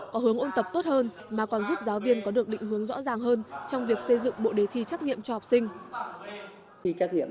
có hướng ôn tập tốt hơn mà còn giúp giáo viên có được định hướng rõ ràng hơn trong việc xây dựng bộ đề thi trắc nghiệm cho học sinh